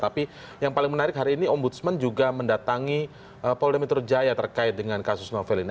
tapi yang paling menarik hari ini ombudsman juga mendatangi polda metro jaya terkait dengan kasus novel ini